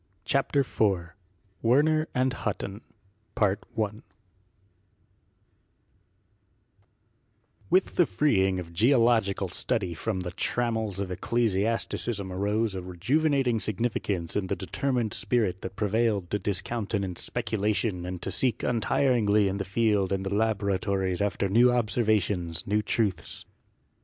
CHAPTER III WERNER AND HUTTON With the freeing of geological study from the tram mels of ecclesiasticism arose a rejuvenating significance in the determined spirit that prevailed to discountenance speculation and to seek untiringly in the field and in the laboratories after new observations, new truths.